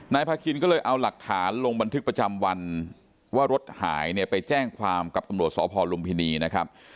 พาคินก็เลยเอาหลักฐานลงบันทึกประจำวันว่ารถหายเนี่ยไปแจ้งความกับตำรวจสพลุมพินีนะครับ